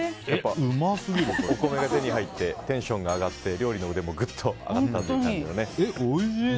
お米が手に入ってテンションが上がって料理の腕もぐっと上がったという感じのね。